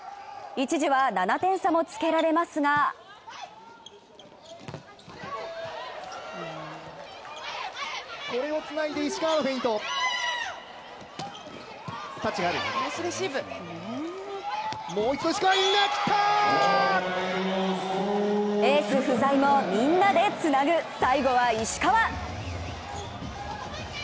一時は７点差もつけられますがエース不在もみんなでつなぐ最後は石川！